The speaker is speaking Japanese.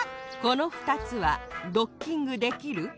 このふたつはドッキングできる？